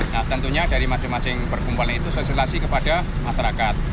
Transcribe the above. nah tentunya dari masing masing perkumpulan itu sosialisasi kepada masyarakat